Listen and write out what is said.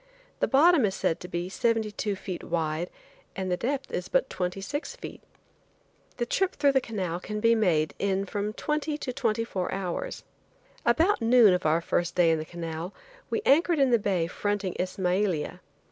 The bottom is said to be seventy two feet wide and the depth is but twenty six feet. The trip through the canal can be made in from twenty to twenty four hours. About noon of our first day in the canal we anchored in the bay fronting Ismailia.